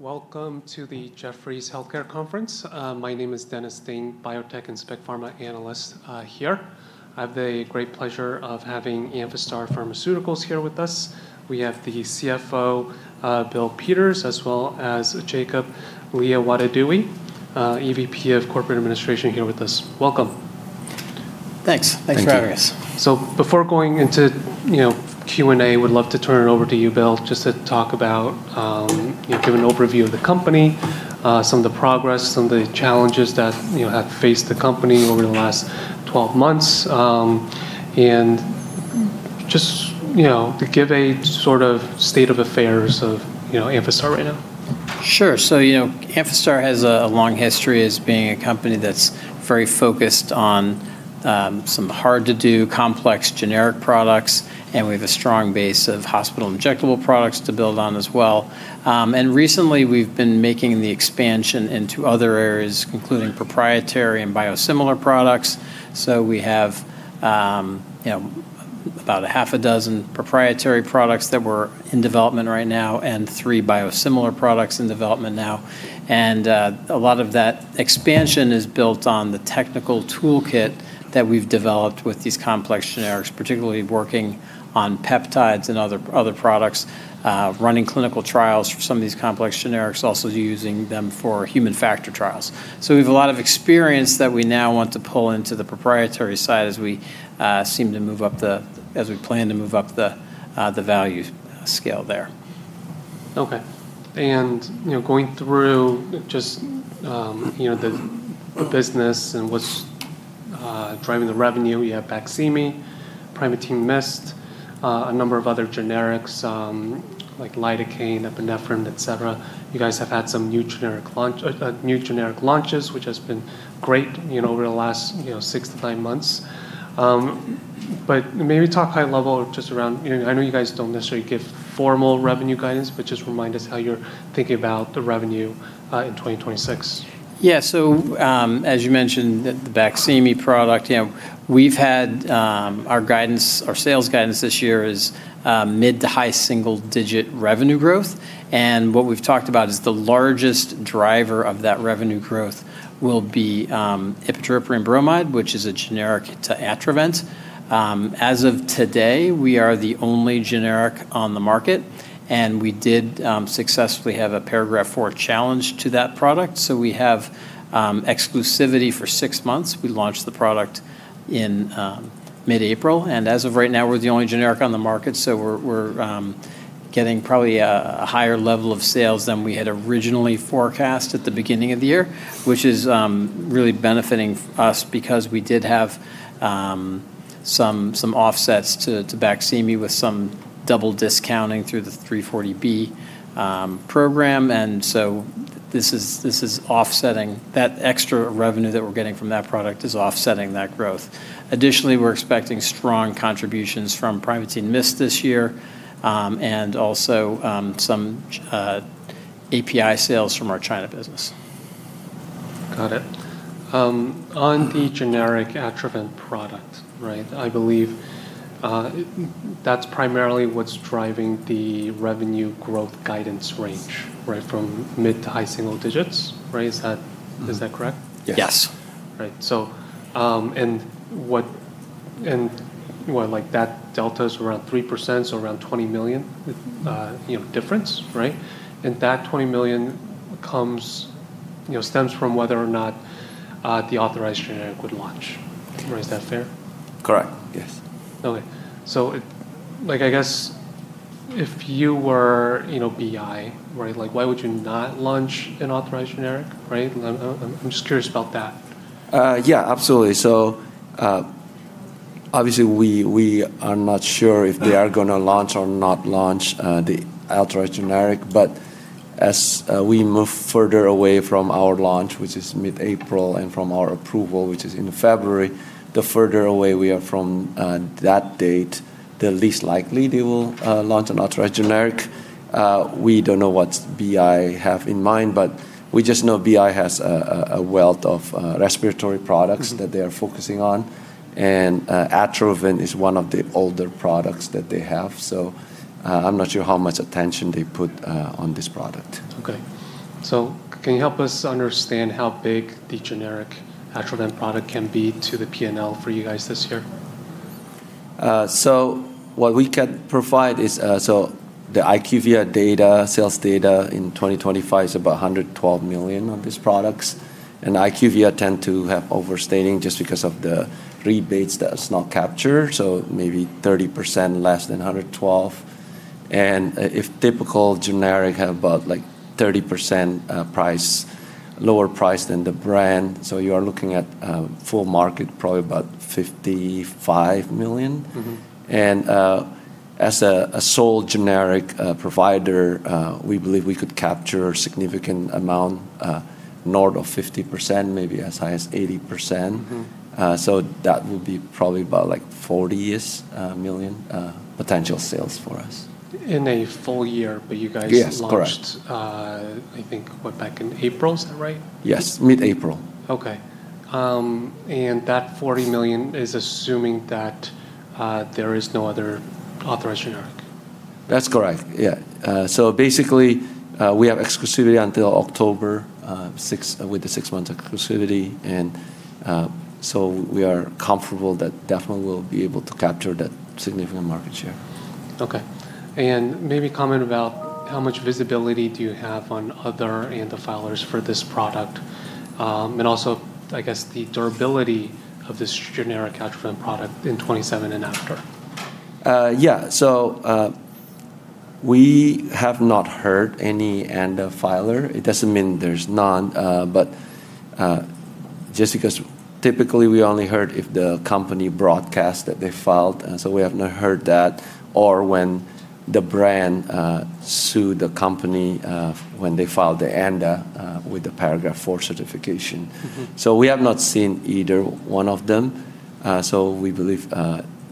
Welcome to the Jefferies Healthcare Conference. My name is Dennis Ding, biotech and spec pharma analyst here. I have the great pleasure of having Amphastar Pharmaceuticals here with us. We have the CFO, Bill Peters, as well as Jacob Liawatidewi, EVP of Corporate Administration here with us. Welcome. Thanks. Thank you. Thanks for having us. Before going into Q&A, would love to turn it over to you, Bill, just to give an overview of the company, some of the progress, some of the challenges that have faced the company over the last 12 months, and just to give a state of affairs of Amphastar right now. Sure. Amphastar has a long history as being a company that's very focused on some hard-to-do complex generic products, and we have a strong base of hospital injectable products to build on as well. Recently we've been making the expansion into other areas, including proprietary and biosimilar products. We have about a half a dozen proprietary products that were in development right now, and three biosimilar products in development now. A lot of that expansion is built on the technical toolkit that we've developed with these complex generics, particularly working on peptides and other products, running clinical trials for some of these complex generics. Also using them for human factor trials. We have a lot of experience that we now want to pull into the proprietary side as we plan to move up the value scale there. Okay. Going through just the business and what's driving the revenue, we have BAQSIMI, Primatene MIST, a number of other generics, like lidocaine, epinephrine, et cetera. You guys have had some new generic launches, which has been great over the last six to nine months. Maybe talk high level just around, I know you guys don't necessarily give formal revenue guidance, but just remind us how you're thinking about the revenue in 2026. Yeah. As you mentioned, the BAQSIMI product, our sales guidance this year is mid to high single-digit revenue growth. What we've talked about is the largest driver of that revenue growth will be ipratropium bromide, which is a generic to Atrovent. As of today, we are the only generic on the market, and we did successfully have a Paragraph IV challenge to that product. We have exclusivity for six months. We launched the product in mid-April, and as of right now, we're the only generic on the market, we're getting probably a higher level of sales than we had originally forecast at the beginning of the year, which is really benefiting us because we did have some offsets to BAQSIMI with some double discounting through the 340B program. This is offsetting. That extra revenue that we're getting from that product is offsetting that growth. We're expecting strong contributions from Primatene Mist this year, and also some API sales from our China business. Got it. On the generic Atrovent product, I believe that's primarily what's driving the revenue growth guidance range from mid to high single digits. Is that correct? Yes. Yes. Right. That delta's around 3%, so around $20 million difference. That $20 million stems from whether or not the authorized generic would launch. Is that fair? Correct. Yes. I guess if you were BI, why would you not launch an authorized generic? Right? I'm just curious about that. Yeah, absolutely. Obviously we are not sure if they are going to launch or not launch the authorized generic. As we move further away from our launch, which is mid-April, and from our approval, which is in February, the further away we are from that date, the least likely they will launch an authorized generic. We don't know what BI have in mind, but we just know BI has a wealth of respiratory products that they are focusing on. Atrovent is one of the older products that they have. I'm not sure how much attention they put on this product. Okay. Can you help us understand how big the generic Atrovent product can be to the P&L for you guys this year? What we can provide is the IQVIA sales data in 2025 is about $112 million on these products. IQVIA tend to have overstating just because of the rebates that is not captured, so maybe 30% less than $112. If typical generic have about 30% lower price than the brand, you are looking at full market probably about $55 million. As a sole generic provider, we believe we could capture a significant amount, north of 50%, maybe as high as 80%. That would be probably about $40-ish million potential sales for us. In a full year. Yes, correct. Launched, I think what, back in April? Is that right? Yes, mid-April. Okay. That $40 million is assuming that there is no other authorized generic? That's correct. Yeah. Basically, we have exclusivity until October 6th, with the six months exclusivity. We are comfortable that definitely we'll be able to capture that significant market share. Okay. Maybe comment about how much visibility do you have on other ANDA filers for this product? Also, I guess, the durability of this generic product in 2027 and after. Yeah. We have not heard any ANDA filer. It doesn't mean there's none, but just because typically we only heard if the company broadcast that they filed, and so we have not heard that. When the brand sued the company when they filed the ANDA with the Paragraph IV certification. We have not seen either one of them. We believe,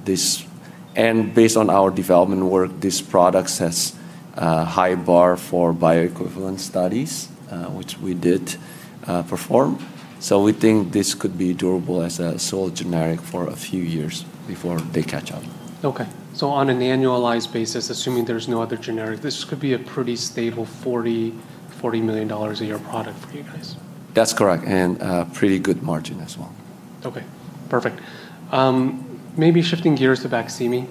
based on our development work, this product has a high bar for bioequivalent studies, which we did perform. We think this could be durable as a sole generic for a few years before they catch up. Okay. On an annualized basis, assuming there's no other generic, this could be a pretty stable $40 million a year product for you guys. That's correct. Pretty good margin as well. Okay, perfect. Maybe shifting gears to BAQSIMI.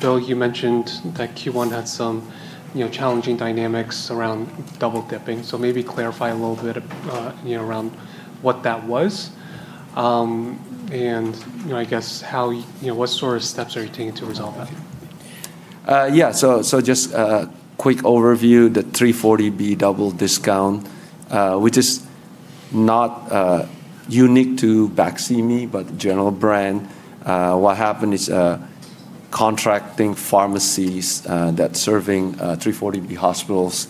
Bill, you mentioned that Q1 had some challenging dynamics around double-dipping, so maybe clarify a little bit around what that was. I guess, what sort of steps are you taking to resolve that? Yeah. Just a quick overview. The 340B double discount, which is not unique to BAQSIMI, but general brand. What happened is contracting pharmacies that's serving 340B hospitals,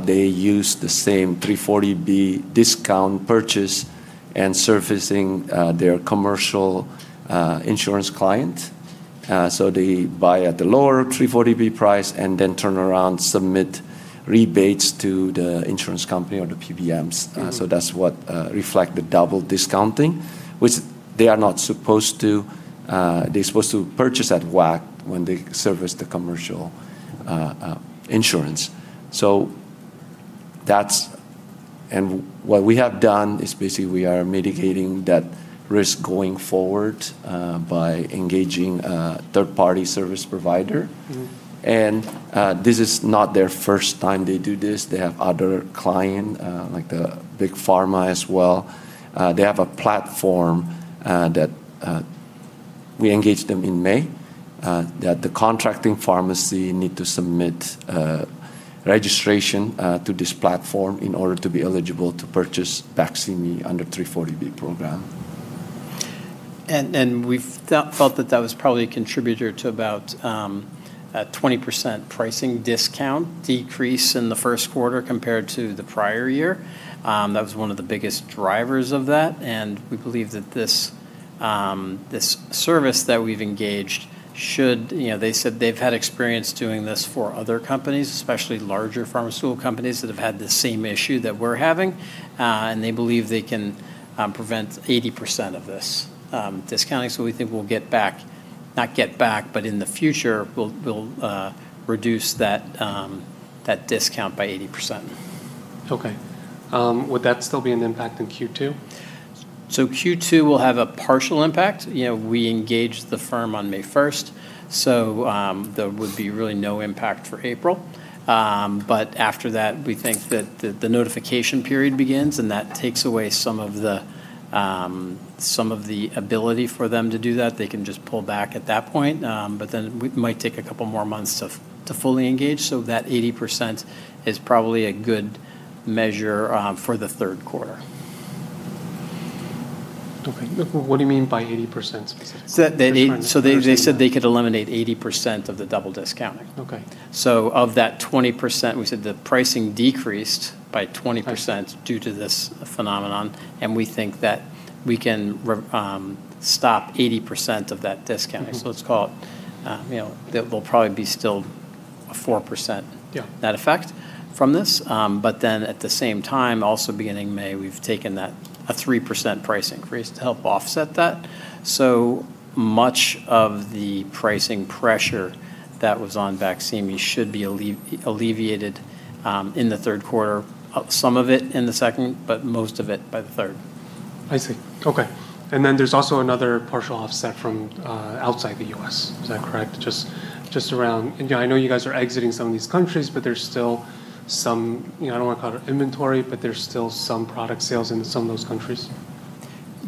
they used the same 340B discount purchase and servicing their commercial insurance client. They buy at the lower 340B price and then turn around, submit rebates to the insurance company or the PBMs. That's what reflect the double discounting, which they are not supposed to. They're supposed to purchase at WAC when they service the commercial insurance. What we have done is basically we are mitigating that risk going forward by engaging a third-party service provider. This is not their first time they do this. They have other client, like the big pharma as well. They have a platform that we engaged them in May, that the contracting pharmacy need to submit registration to this platform in order to be eligible to purchase BAQSIMI under 340B program. We felt that that was probably a contributor to about a 20% pricing discount decrease in the Q1 compared to the prior year. That was one of the biggest drivers of that. We believe that this service that we've engaged. They said they've had experience doing this for other companies, especially larger pharmaceutical companies that have had the same issue that we're having. They believe they can prevent 80% of this discounting. We think we'll get back Not get back, but in the future, we'll reduce that discount by 80%. Okay. Would that still be an impact in Q2? Q2 will have a partial impact. We engaged the firm on May 1st, so there would be really no impact for April. After that, we think that the notification period begins, and that takes away some of the ability for them to do that. They can just pull back at that point. Then it might take a couple more months to fully engage, so that 80% is probably a good measure for the Q3. Okay. What do you mean by 80% specifically? They said they could eliminate 80% of the double discounting. Okay. Of that 20%, we said the pricing decreased by 20%. Okay. Due to this phenomenon, and we think that we can stop 80% of that discounting. Let's call it, there will probably be still a 4%- Yeah. Net effect from this. At the same time, also beginning May, we've taken a 3% price increase to help offset that. Much of the pricing pressure that was on BAQSIMI should be alleviated in the Q3. Some of it in the second, but most of it by the third. I see. Okay. There's also another partial offset from outside the U.S. Is that correct? I know you guys are exiting some of these countries, but there's still some, I don't want to call it inventory, but there's still some product sales in some of those countries.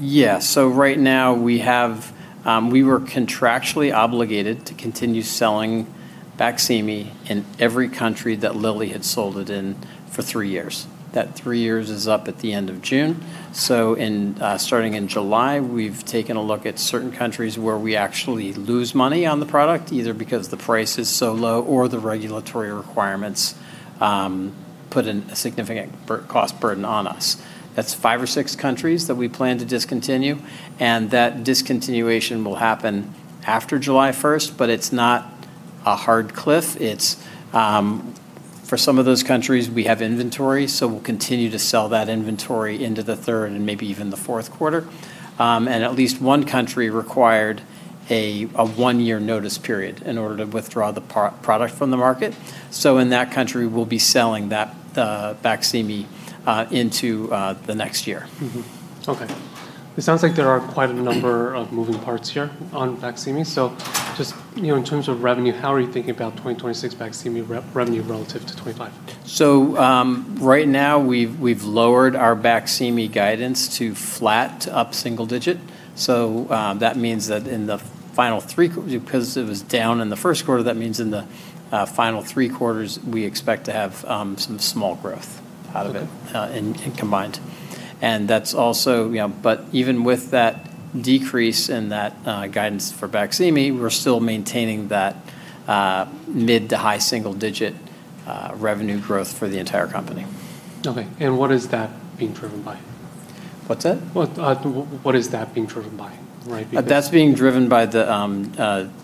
Yeah. Right now, we were contractually obligated to continue selling BAQSIMI in every country that Lilly had sold it in for three years. That three years is up at the end of June. Starting in July, we've taken a look at certain countries where we actually lose money on the product, either because the price is so low or the regulatory requirements put a significant cost burden on us. That's five or six countries that we plan to discontinue, that discontinuation will happen after July 1st. It's not a hard cliff. For some of those countries, we have inventory, we'll continue to sell that inventory into the third and maybe even the Q4. At least one country required a one-year notice period in order to withdraw the product from the market. In that country, we'll be selling that BAQSIMI into the next year. Okay. It sounds like there are quite a number of moving parts here on BAQSIMI. Just, in terms of revenue, how are you thinking about 2026 BAQSIMI revenue relative to 2025? Right now, we've lowered our BAQSIMI guidance to flat to up single digit. That means that because it was down in the Q1, that means in the final three quarters, we expect to have some small growth out of it. Okay. In combined. Even with that decrease in that guidance for BAQSIMI, we're still maintaining that mid to high single digit revenue growth for the entire company. Okay. What is that being driven by? What's that? What is that being driven by? Right? That's being driven by the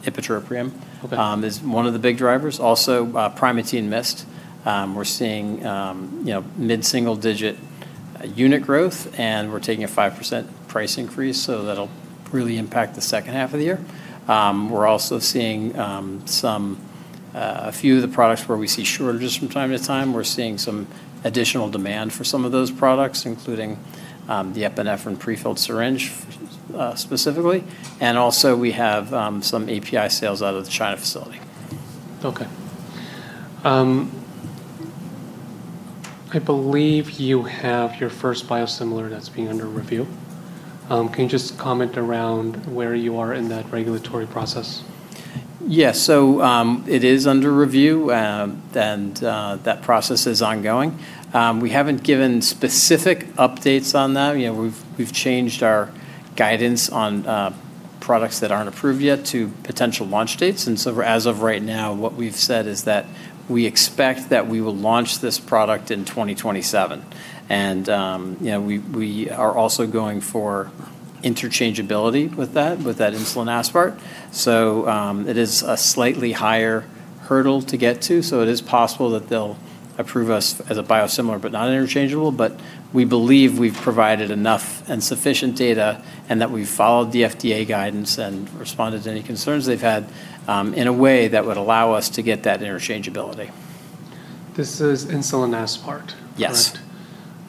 ipratropium, Okay. Is one of the big drivers. Primatene MIST. We're seeing mid-single digit unit growth, and we're taking a 5% price increase, so that'll really impact the second half of the year. We're also seeing a few of the products where we see shortages from time to time. We're seeing some additional demand for some of those products, including the epinephrine pre-filled syringe specifically. We have some API sales out of the China facility. Okay. I believe you have your first biosimilar that's being under review. Can you just comment around where you are in that regulatory process? Yeah. It is under review, and that process is ongoing. We haven't given specific updates on that. We've changed our guidance on products that aren't approved yet to potential launch dates. As of right now, what we've said is that we expect that we will launch this product in 2027. We are also going for interchangeability with that insulin aspart. It is a slightly higher hurdle to get to. It is possible that they'll approve us as a biosimilar but not an interchangeable, but we believe we've provided enough and sufficient data, and that we've followed the FDA guidance and responded to any concerns they've had in a way that would allow us to get that interchangeability. This is insulin aspart, correct? Yes.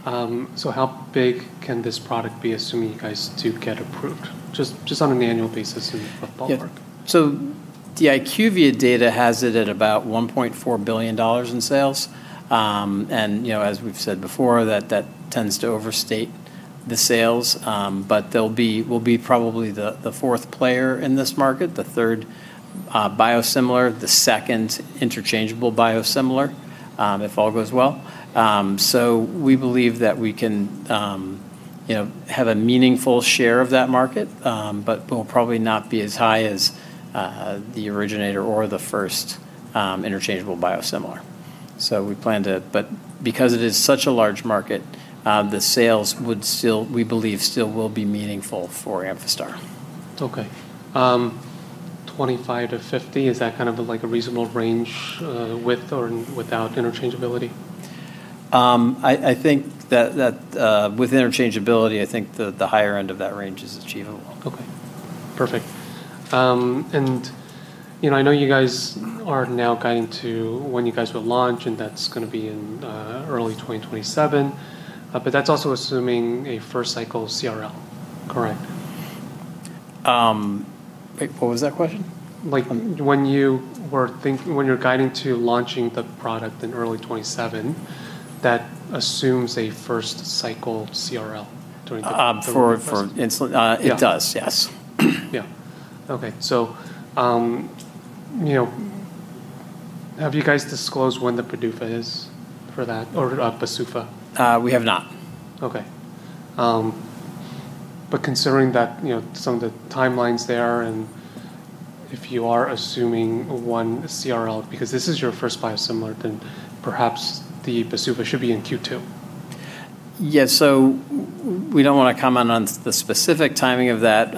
How big can this product be, assuming you guys do get approved, just on an annual basis in ballpark? Yeah. The IQVIA data has it at about $1.4 billion in sales. As we've said before, that tends to overstate the sales, but we'll be probably the fourth player in this market, the third biosimilar, the second interchangeable biosimilar, if all goes well. We believe that we can have a meaningful share of that market, but we'll probably not be as high as the originator or the first interchangeable biosimilar. Because it is such a large market, the sales, we believe, still will be meaningful for Amphastar. Okay. 25-50, is that a reasonable range, with or without interchangeability? I think that with interchangeability, I think the higher end of that range is achievable. Okay. Perfect. I know you guys are now guiding to when you guys will launch, and that's going to be in early 2027. That's also assuming a first-cycle CRL, correct? Wait, what was that question? When you're guiding to launching the product in early 2027, that assumes a first-cycle CRL during the. For insulin? Yeah. It does, yes. Yeah. Okay. Have you guys disclosed when the PDUFA is for that, or a PDUFA? We have not. Okay. Considering that some of the timelines there and if you are assuming one CRL, because this is your first biosimilar, then perhaps the PDUFA should be in Q2. Yeah, we don't want to comment on the specific timing of that.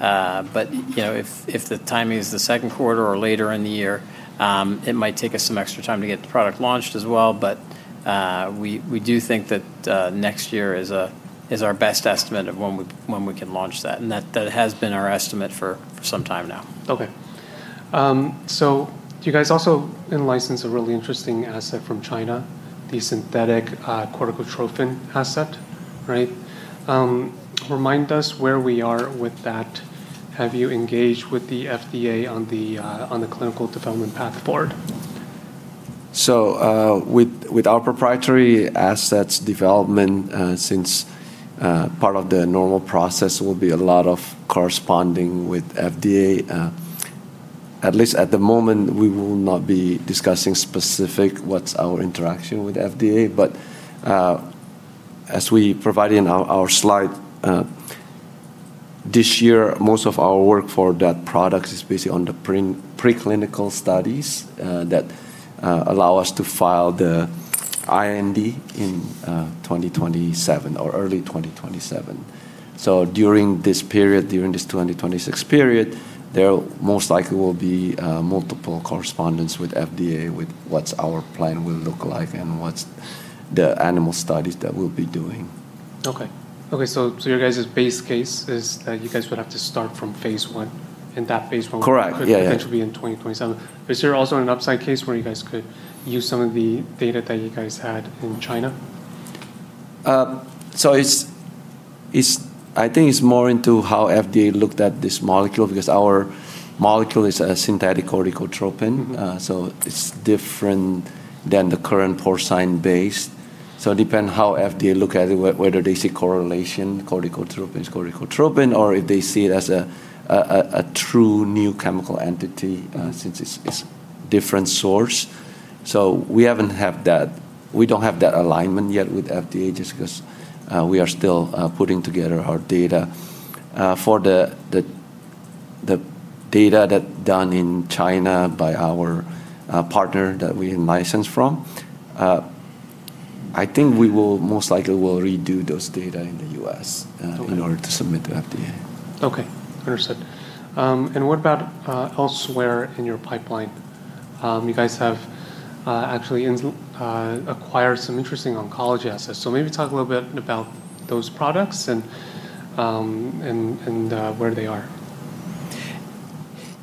If the timing is the Q2 or later in the year, it might take us some extra time to get the product launched as well. We do think that next year is our best estimate of when we can launch that. That has been our estimate for some time now. Okay. You guys also in-licensed a really interesting asset from China, the synthetic corticotropin asset, right? Remind us where we are with that. Have you engaged with the FDA on the clinical development path forward? With our proprietary assets development, since part of the normal process will be a lot of corresponding with FDA, at least at the moment, we will not be discussing specific what's our interaction with FDA. As we provided in our slide, this year, most of our work for that product is basically on the preclinical studies that allow us to file the, IND in 2027 or early 2027. During this period, during this 2026 period, there most likely will be multiple correspondence with FDA, with what our plan will look like, and what's the animal studies that we'll be doing. Okay. your guys' base case is that you guys would have to start from phase I, and that phase I, Correct. Yeah Could potentially be in 2027. Is there also an upside case where you guys could use some of the data that you guys had in China? I think it's more into how FDA looked at this molecule, because our molecule is a synthetic corticotropin. It's different than the current porcine base, depend how FDA look at it, whether they see correlation, corticotropin is corticotropin, or if they see it as a true new chemical entity, since it's different source. We don't have that alignment yet with FDA, just because we are still putting together our data. For the data that done in China by our partner that we license from, I think we will most likely will redo those data in the U.S. Okay. In order to submit to FDA. Okay. Understood. What about elsewhere in your pipeline? You guys have actually acquired some interesting oncology assets. Maybe talk a little bit about those products and where they are.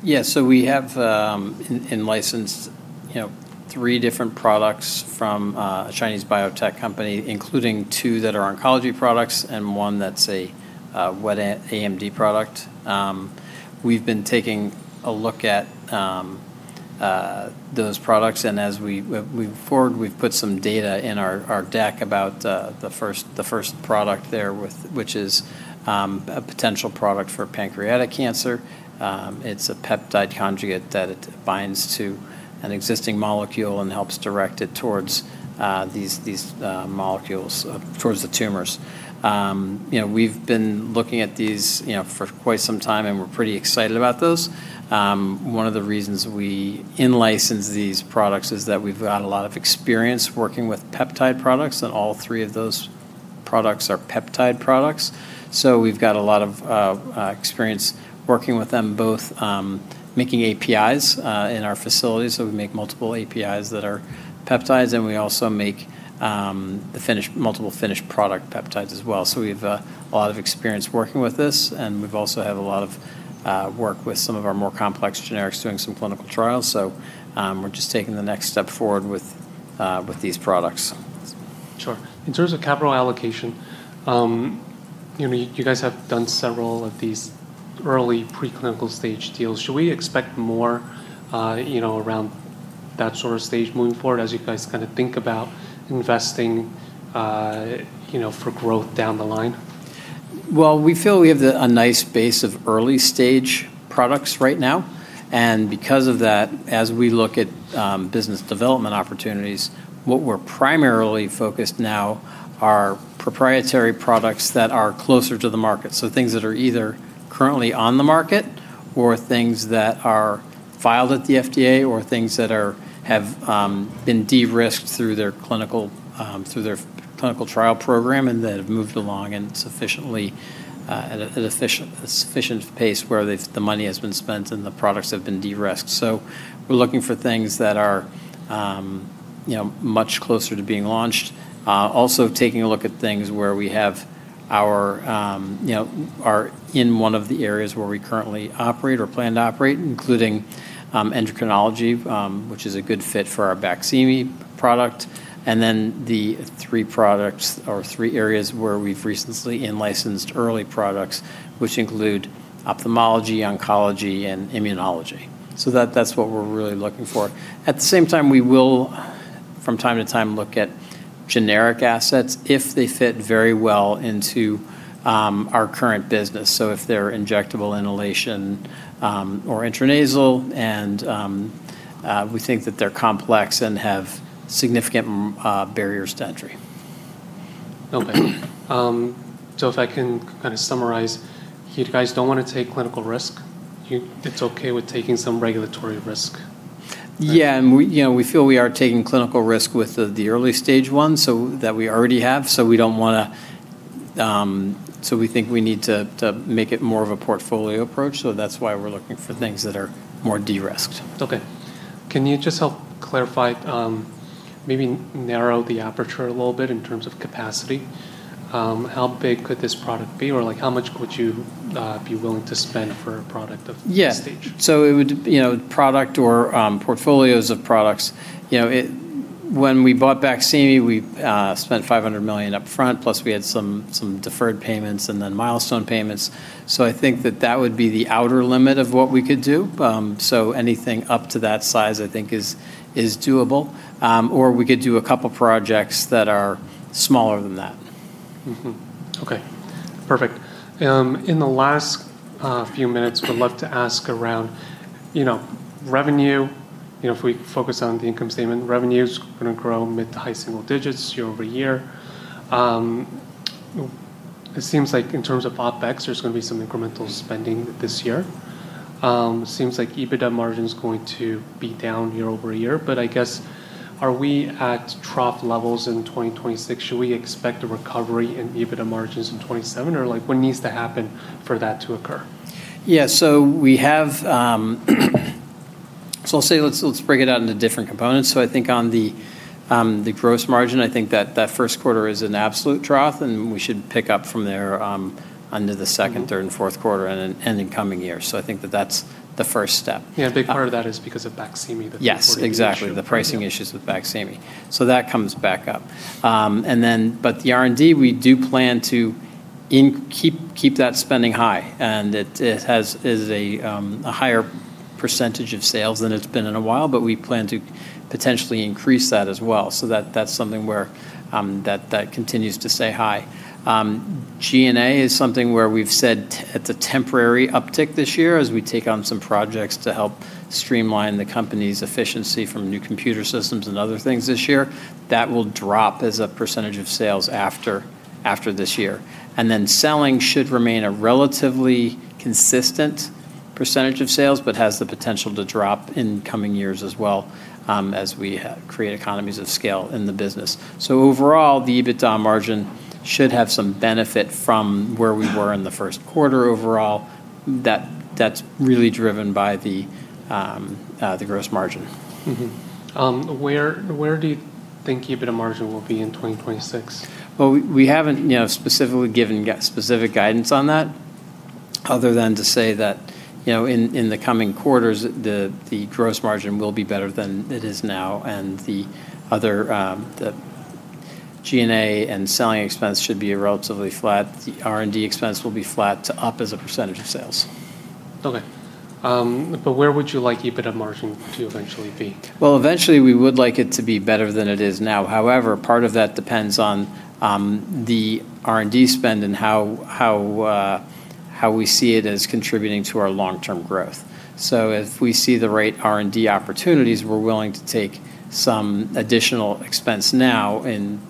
Yeah. We have in-licensed three different products from a Chinese biotech company, including two that are oncology products and one that's a wet AMD product. We've been taking a look at those products, and as we move forward, we've put some data in our deck about the first product there, which is a potential product for pancreatic cancer. It's a peptide conjugate that it binds to an existing molecule and helps direct it towards these molecules, towards the tumors. We've been looking at these for quite some time, and we're pretty excited about those. One of the reasons we in-license these products is that we've got a lot of experience working with peptide products, and all three of those products are peptide products. We've got a lot of experience working with them, both making APIs in our facility, so we make multiple APIs that are peptides, and we also make multiple finished product peptides as well. We have a lot of experience working with this, and we've also have a lot of work with some of our more complex generics doing some clinical trials. We're just taking the next step forward with these products. Sure. In terms of capital allocation, you guys have done several of these early preclinical stage deals. Should we expect more around that sort of stage moving forward as you guys think about investing for growth down the line? Well, we feel we have a nice base of early-stage products right now. Because of that, as we look at business development opportunities, what we're primarily focused now are proprietary products that are closer to the market. Things that are either currently on the market or things that are filed at the FDA or things that have been de-risked through their clinical trial program and that have moved along and at a sufficient pace where the money has been spent and the products have been de-risked. We're looking for things that are much closer to being launched. Also taking a look at things where we have are in one of the areas where we currently operate or plan to operate, including endocrinology, which is a good fit for our BAQSIMI product. The three products or three areas where we've recently in-licensed early products, which include ophthalmology, oncology, and immunology. That's what we're really looking for. At the same time, we will, from time to time, look at generic assets if they fit very well into our current business. If they're injectable inhalation, or intranasal, and we think that they're complex and have significant barriers to entry. Okay. If I can summarize, you guys don't want to take clinical risk. It's okay with taking some regulatory risk. Yeah. We feel we are taking clinical risk with the early stage one, so that we already have, so we think we need to make it more of a portfolio approach. That's why we're looking for things that are more de-risked. Okay. Can you just help clarify, maybe narrow the aperture a little bit in terms of capacity? How big could this product be? Or how much could you be willing to spend for a product of this? Yeah. Stage? Product or portfolios of products. When we bought BAQSIMI, we spent $500 million up front, plus we had some deferred payments, milestone payments. I think that would be the outer limit of what we could do. Anything up to that size, I think is doable. We could do a couple projects that are smaller than that. Mm-hmm. Okay. Perfect. In the last few minutes, would love to ask around revenue. If we focus on the income statement, revenue's going to grow mid to high single digits year-over-year. It seems like in terms of OpEx, there's going to be some incremental spending this year. It seems like EBITDA margin's going to be down year-over-year, but I guess, are we at trough levels in 2026? Should we expect a recovery in EBITDA margins in 2027? What needs to happen for that to occur? Yeah. Let's break it out into different components. I think on the gross margin, I think that Q1 is an absolute trough, and we should pick up from there onto the Q2, Q3, and Q4, and then coming year. I think that's the first step. Yeah. A big part of that is because of BAQSIMI, the, Yes, exactly. Ordering issue The pricing issues with BAQSIMI. That comes back up. The R&D, we do plan to keep that spending high, and it is a higher percentage of sales than it's been in a while, but we plan to potentially increase that as well. That's something where that continues to stay high. G&A is something where we've said it's a temporary uptick this year as we take on some projects to help streamline the company's efficiency from new computer systems and other things this year. That will drop as a percentage of sales after this year. Selling should remain a relatively consistent percentage of sales, but has the potential to drop in coming years as well, as we create economies of scale in the business. Overall, the EBITDA margin should have some benefit from where we were in the Q1 overall. That's really driven by the gross margin. Mm-hmm. Where do you think EBITDA margin will be in 2026? Well, we haven't specifically given specific guidance on that, other than to say that in the coming quarters, the gross margin will be better than it is now, and the other, the G&A and selling expense should be relatively flat. The R&D expense will be flat to up as a % of sales. Okay. Where would you like EBITDA margin to eventually be? Well, eventually, we would like it to be better than it is now. Part of that depends on the R&D spend and how we see it as contributing to our long-term growth. If we see the right R&D opportunities, we're willing to take some additional expense now in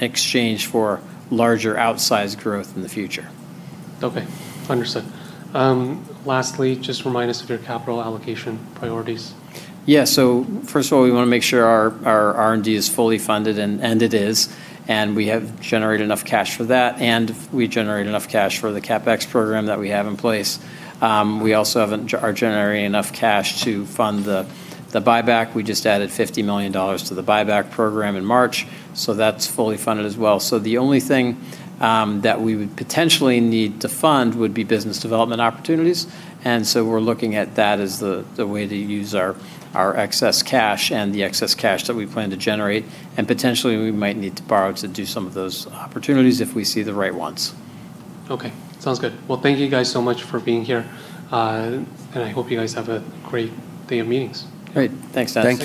exchange for larger outsized growth in the future. Okay. Understood. Lastly, just remind us of your capital allocation priorities. First of all, we want to make sure our R&D is fully funded, and it is, and we have generated enough cash for that, and we generate enough cash for the CapEx program that we have in place. We also are generating enough cash to fund the buyback. We just added $50 million to the buyback program in March, so that's fully funded as well. The only thing that we would potentially need to fund would be business development opportunities, and so we're looking at that as the way to use our excess cash and the excess cash that we plan to generate. Potentially, we might need to borrow to do some of those opportunities if we see the right ones. Okay. Sounds good. Well, thank you guys so much for being here. I hope you guys have a great day of meetings. Great. Thanks, Dennis.